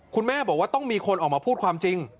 คุณแม่บอกว่าต้องมีคนออกมาพูดความจริง